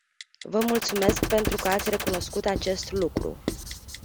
Vă mulțumesc pentru că ați recunoscut acest lucru.